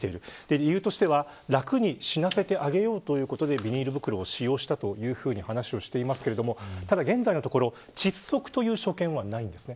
理由としては、楽に死なせてあげようということでビニール袋を使用したと話していますが現在のところ窒息という所見はありません。